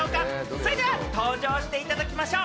それでは登場していただきましょう！